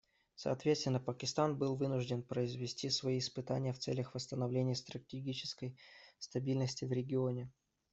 Соответственно, Пакистан был вынужден произвести свои испытания в целях восстановления стратегической стабильности в регионе.